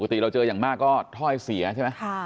เราเจออย่างมากก็ถ้อยเสียใช่ไหม